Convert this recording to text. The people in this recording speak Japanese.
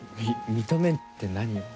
認めんって何を？